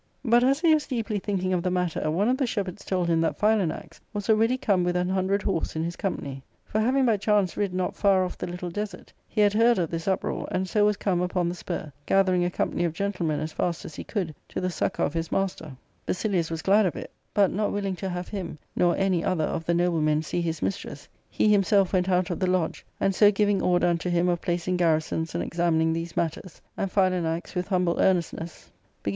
But, as he was deeply thinking of the matter, one of the shepherds told him that Philanax was already come with an hundred horse in his company. For having by chance rid not far off the little desert, he had heard of this uptoar, and so was come upon the spur, gathering a company of gentle men as fast as he could, to the succour of his master. Basilius was glad of it ; but, not willing to have him nor any other of the noblemen see his mistress, he himself went out of the lodge, and so giving order unto him of placing garrisons and exam ining these matters, and Philanax, with humble earnestness, * Own best — This passage is so involved that it becomes obscure. * The meaning is easily seen.